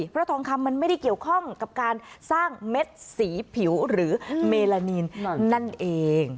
เพราะทองคำมันไม่ได้เกี่ยวข้องกับการสร้างเม็ดสีผิวหรือเมลานีนนั่นเอง